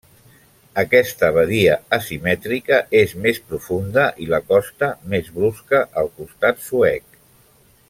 Aquesta badia asimètrica i és més profunda i la costa més brusca al costat suec.